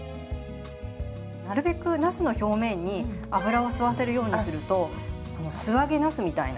なるべくなすの表面に油を吸わせるようにすると素揚げなすみたいな。